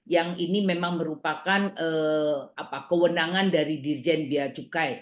yang ini memang merupakan kewenangan dari dirjen bia cukai